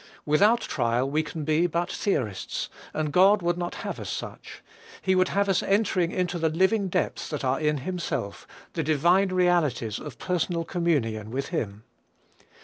Without trial we can be but theorists, and God would not have us such: he would have us entering into the living depths that are in himself, the divine realities of personal communion with him.